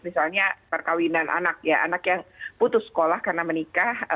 misalnya perkawinan anak ya anak yang putus sekolah karena menikah